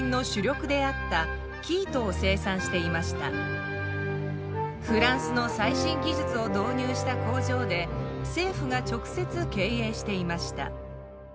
当時のフランスの最新技術を導入した工場で政府が直接経営していました。